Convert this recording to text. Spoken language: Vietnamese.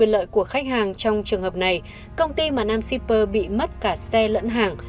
lợi của khách hàng trong trường hợp này công ty mà nam shipper bị mất cả xe lẫn hàng